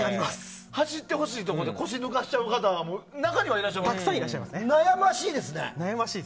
走ってほしいところで腰を抜かしちゃう人も中にはいらっしゃいますよね。